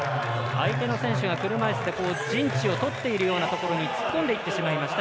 相手の選手が車いすで陣地を取っているようなところに突っ込んでいってしまいました。